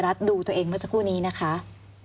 มันจอดอย่างง่ายอย่างง่ายอย่างง่าย